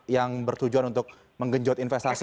yang bertujuan untuk menggenjot investasi